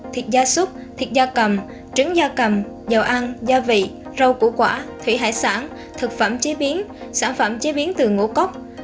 thịt da súc thịt da cầm trứng da cầm dầu ăn gia vị rau củ quả thủy hải sản thực phẩm chế biến sản phẩm chế biến từ ngũ cốc